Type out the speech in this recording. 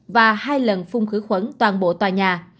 và hai lần phun khử khuẩn toàn bộ tòa nhà